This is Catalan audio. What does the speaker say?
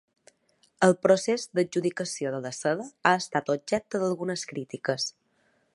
El procés d'adjudicació de la seda ha estat objecte d'algunes crítiques.